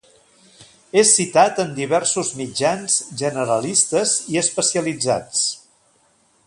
És citat en diversos mitjans generalistes i especialitzats.